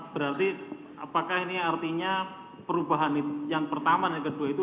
berarti apakah ini artinya perubahan yang pertama dan yang kedua itu